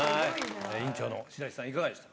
委員長の白石さん、いかがでしたか？